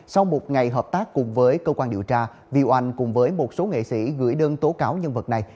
sau một ngày hợp tác cùng với cơ quan điều tra vi oanh cùng với một số nghệ sĩ gửi đơn tố cáo nhân vật này